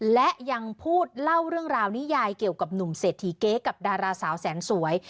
และยังพูดเล่าเรื่องราวนิยายเกี่ยวกับหนุ่มเศรษฐีเก๊กับดาราสาวแสนสวย